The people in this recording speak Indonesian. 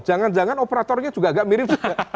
jangan jangan operatornya juga agak mirip